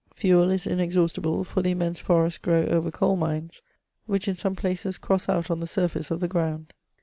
Fuel is inexhaustible, for the immense forests grow over coal mines, which in some places cross out on the snrfaoe of the ground.